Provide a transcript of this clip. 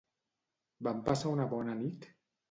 Van passar una bona nit?